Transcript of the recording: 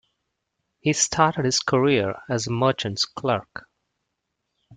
He started his career as a merchant's clerk.